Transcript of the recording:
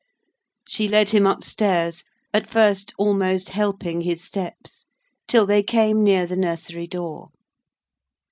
She led him up stairs; at first almost helping his steps, till they came near the nursery door.